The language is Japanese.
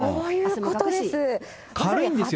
そういうことです。